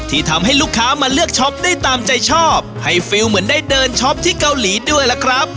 ที่ทำให้ลูกค้ามาเลือกช็อปได้ตามใจชอบให้ฟิลเหมือนได้เดินช็อปที่เกาหลีด้วยล่ะครับ